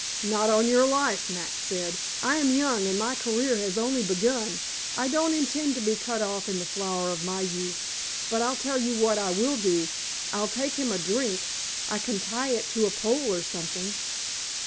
"Not on your life," Max said. "I am young, and my career has only begun. I don't intend to be cut off in the flower of my youth. But I'll tell you what I will do; I'll take him a drink. I can tie it to a pole or something."